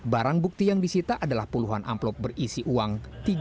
barang bukti yang disita adalah puluhan amplop berisi uang